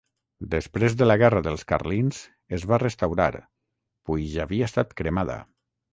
Després de la guerra dels carlins, es va restaurar, puix havia estat cremada.